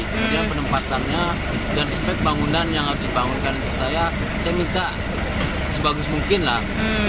kemudian penempatannya dan spek bangunan yang harus dibangunkan saya saya minta sebagus mungkin lah